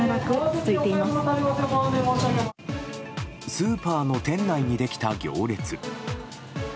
スーパーの店内にできた行列。